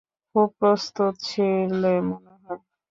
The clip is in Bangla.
খুব প্রস্তুত ছিলে মনে হয়।